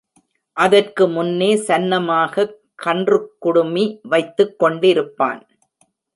அதற்கு முன்னே சன்னமாகக் கன்றுக்குடுமி வைத்துக் கொண்டிருப்பான்.